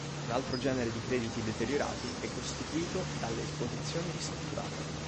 Un altro genere di crediti deteriorati è costituito dalle esposizioni ristrutturate.